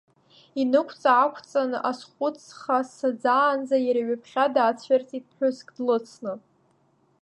Инықәҵа-аақәҵан азхәыцха саӡаанӡа, иара ҩаԥхьа даацәырҵит ԥҳәыск длыцны.